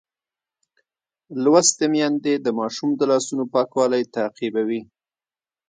لوستې میندې د ماشوم د لاسونو پاکوالی تعقیبوي.